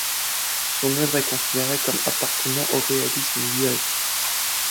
Son œuvre est considérée comme appartenant au réalisme lyrique.